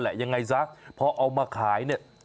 ยังไงซะพอเอามาขายเนี่ย